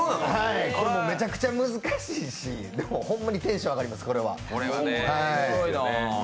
これめちゃくちゃ難しいしホンマにテンション上がります。